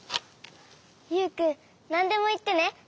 ユウくんなんでもいってね。